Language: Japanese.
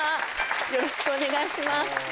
よろしくお願いします